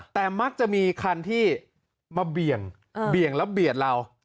แต่มักจะมีคันที่มาเบี่ยงแล้วเบียดเรา